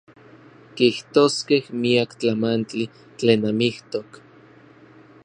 Kijtoskej miak tlamantli tlen amijtok.